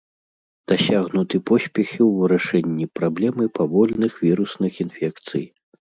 Дасягнуты поспехі ў вырашэнні праблемы павольных вірусных інфекцый.